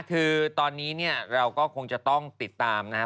คือตอนนี้เนี่ยเราก็คงจะต้องติดตามนะครับ